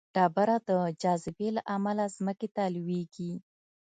ډبره د جاذبې له امله ځمکې ته لویږي.